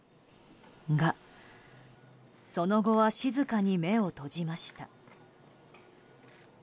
が、その後は静かに目を閉じました。